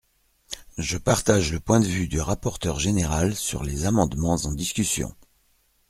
Je partage le point de vue du rapporteur général sur les amendements en discussion.